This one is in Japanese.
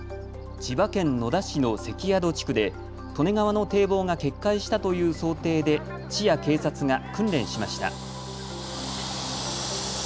千葉県野田市の関宿地区で利根川の堤防が決壊したという想定で市や警察が訓練しました。